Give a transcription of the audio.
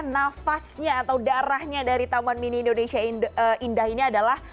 nafasnya atau darahnya dari taman mini indonesia indah ini adalah